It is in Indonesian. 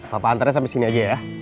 papa antarnya sampai sini aja ya